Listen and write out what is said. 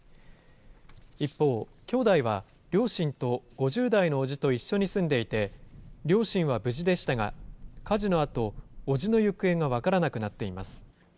一方、兄弟は両親と５０代の伯父と一緒に住んでいて、両親は無事でしたが、火事のあと、伯父の行方が分からなくなっています。